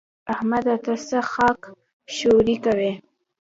احمده! ته څه خاک ښوري کوې؟